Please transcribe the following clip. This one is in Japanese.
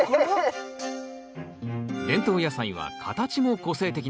伝統野菜は形も個性的なんです。